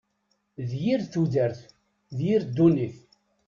D yir tudert! D yir ddunit!